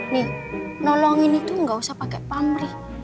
nih nolongin itu nggak usah pakai pamrih